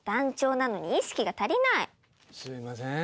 すいません。